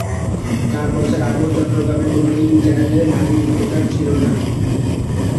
চার বছর আগেও চট্টগ্রামে কোনো টিভি চ্যানেলে নারী রিপোর্টার ছিল না।